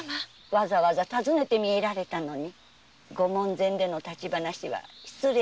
わざわざ訪ねて見えられたのにご門前での立ち話は失礼ですよ。